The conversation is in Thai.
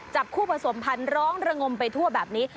จับคู่ผสมพันธ์ร้องระงมไปทั่วแบบนี้